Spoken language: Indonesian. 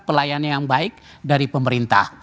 pelayanan yang baik dari pemerintah